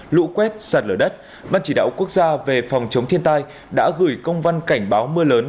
lũ quét sạt lở đất ban chỉ đạo quốc gia về phòng chống thiên tai đã gửi công văn cảnh báo mưa lớn